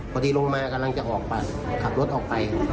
พอดีลงมากำลังจะออกไปขับรถออกไป